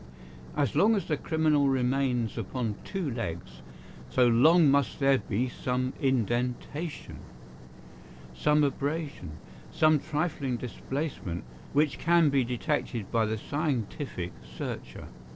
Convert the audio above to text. As long as the criminal remains upon two legs so long must there be some indentation, some abrasion, some trifling displacement which can be detected by the scientific searcher.